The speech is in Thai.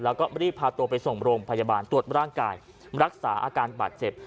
แล้วก็รีบพาตัวไปส่งโรงพยาบาลตรวจร่างกายรักษาอาการบาดเจ็บ